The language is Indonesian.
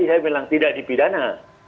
jadi saya bilang tidak dipidana